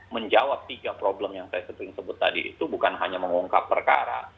menjawab tiga problem yang saya sering sebut tadi itu bukan hanya mengungkap perkara